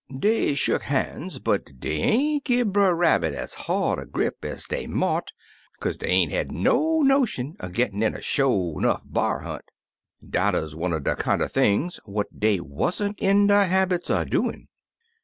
Dey shuck ban's, but dey ain't gi' Brer Rabbit ez hard a grip ez dey mought, kaze dey ain't had no notion er gittin' in a sho 'nough b'ar hunt. Dat 'uz one er de kinder things what dey wa'n't in de habits er doin'.